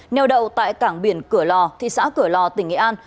neo đậu tại cảng biển cửa lò thị xã cửa lò tỉnh nghệ an